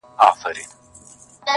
دا کمال دي د یوه جنګي نظر دی-